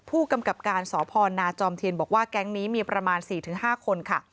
ผู้กำกับการสพนาจอมเทียนบอกว่าแก๊งนี้มีประมาณ๔๕คนค่ะ